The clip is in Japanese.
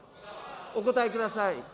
お答えください。